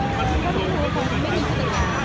ก็ไม่รู้เขาไม่มีผู้จัดการ